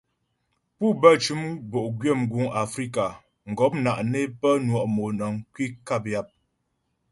Pú bə cʉm bo'gwyə mguŋ Afrika, mgɔpna' ne pə́ nwɔ' pɔmnəŋ kwi nkap yap.